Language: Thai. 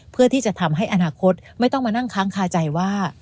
เพื่อที่จะทำให้อนาคตไม่ต้องมานั่งค้างคาใจว่า